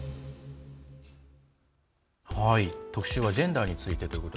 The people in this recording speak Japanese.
特集はジェンダーについてということ。